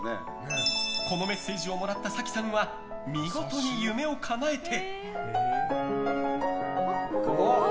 このメッセージをもらった咲希さんは見事に夢をかなえて。